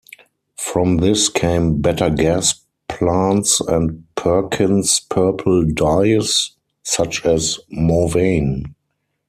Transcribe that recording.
From this came better gas plants and Perkin's purple dyes, such as Mauveine.